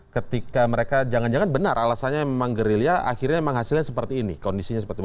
ketika mereka jangan jangan benar alasannya memang gerilya akhirnya memang hasilnya seperti ini kondisinya seperti apa